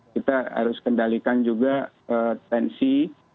kita harus kendalikan juga tensi